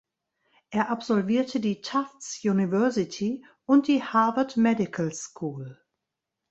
Er absolvierte die Tufts University und die Harvard Medical School.